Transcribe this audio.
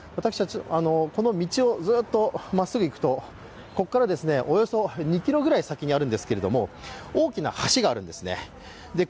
この道をずっとまっすぐ行くとここからおよそ２ｋｍ先にあるんですけれども大きな橋があるんです。